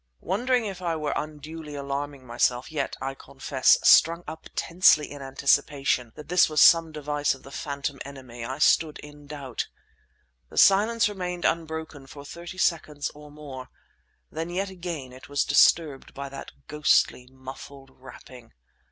Wondering if I were unduly alarming myself, yet, I confess, strung up tensely in anticipation that this was some device of the phantom enemy, I stood in doubt. The silence remained unbroken for thirty seconds or more. Then yet again it was disturbed by that ghostly, muffled rapping.